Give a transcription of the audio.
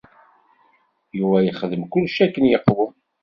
Yuba yexdem kullec akken yeqwem.